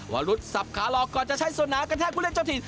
วรุฒิสับขาหลอกก่อนจะใช้สนากระแทกกุ๊ดเล็กเจ้าถิ่น